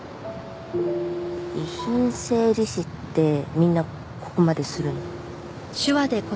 遺品整理士ってみんなここまでするの？